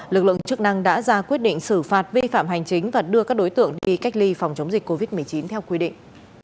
lực lượng chức năng đã ra quyết định xử phạt vi phạm hành chính và đưa các đối tượng đi cách ly phòng chống dịch covid một mươi chín theo quy định